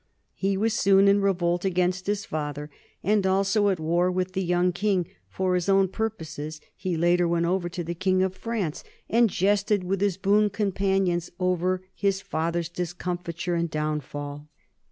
He was soon in revolt against his father and also at war with the Young King ; for his own purposes he later went over to the king of France, and jested with his boon companions over his father's discomfiture and downfall.